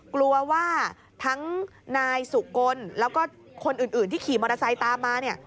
กลัวว่าทั้งนายสุกลแล้วก็คนอื่นที่ขี่มอเตอร์ไซค์ตามมาเนี่ย